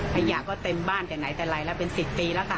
ขยะก็เต็มบ้านแต่ไหนแต่ไรแล้วเป็น๑๐ปีแล้วค่ะ